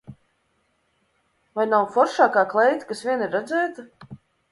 Vai nav foršākā kleita, kas vien ir redzēta?